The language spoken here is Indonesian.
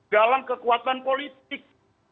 dalam kekuatan politik